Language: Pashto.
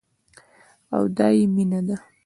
او دايې مينه ده.